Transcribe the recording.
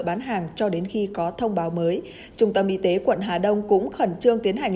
bán hàng cho đến khi có thông báo mới trung tâm y tế quận hà đông cũng khẩn trương tiến hành